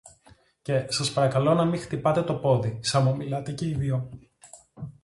Και σας παρακαλώ να μη χτυπάτε το πόδι, σα μου μιλάτε και οι δυο.